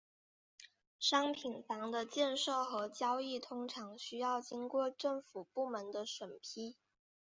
商品房的建设和交易通常需要经过政府部门的审批。